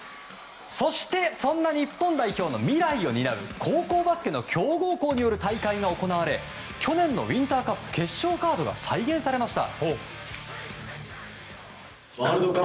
そして、そんな日本代表の未来を担う高校バスケの強豪による大会が行われ去年のウインターカップ決勝カードが再現されました。